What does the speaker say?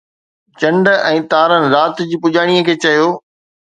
چنڊ ۽ تارن رات جي پڄاڻيءَ کي چيو